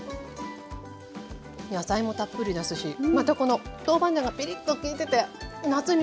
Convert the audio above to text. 野菜もたっぷりですしまたこの豆板がピリッときいてて夏にぴったりですね。